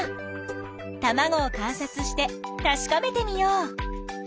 たまごを観察してたしかめてみよう。